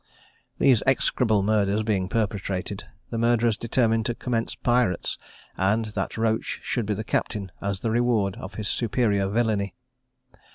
These execrable murders being perpetrated, the murderers determined to commence pirates, and that Roach should be the captain, as the reward of his superior villany.